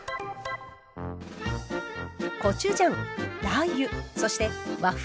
コチュジャンラー油そして和風